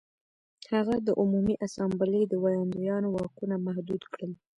هغه د عمومي اسامبلې د ویاندویانو واکونه محدود کړل